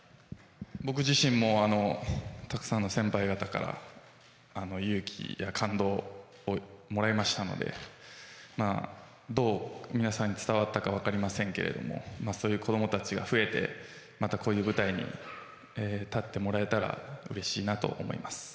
僕自身もたくさんの先輩方から勇気や感動をもらいましたのでどう皆さんに伝わったかは分かりませんけどもそういう子供たちが増えてまたこういう舞台に立ってもらえたらうれしいなと思います。